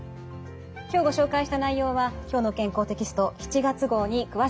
今日ご紹介した内容は「きょうの健康」テキスト７月号に詳しく掲載されています。